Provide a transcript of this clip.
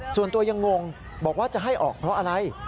ส่วนตัวยังงงบอกว่าจะให้ออกเพราะอะไร